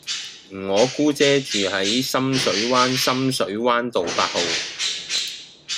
我姑姐住喺深水灣深水灣道八號